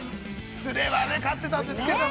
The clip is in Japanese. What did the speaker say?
◆すれば勝ってたんですけども。